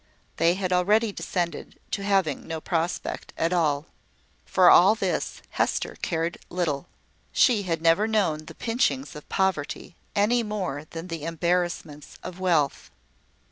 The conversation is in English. They had already descended to having no prospect at all. For all this Hester cared little. She had never known the pinchings of poverty, any more than the embarrassments of wealth.